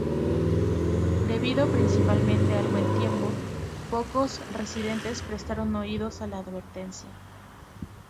Debido principalmente al buen tiempo, pocos residentes prestaron oídos a la advertencia.